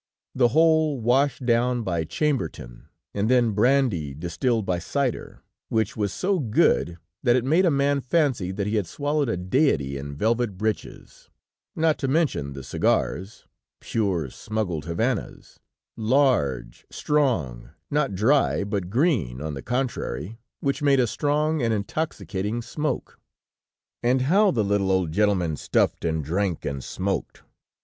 The whole washed clown by Chambertin, and then brandy distilled by cider, which was so good that it made a man fancy that he had swallowed a deity in velvet breeches; not to mention the cigars, pure, smuggled havannahs; large, strong, not dry but green, on the contrary, which made a strong and intoxicating smoke. "And how the little old gentleman stuffed, and drank and smoked!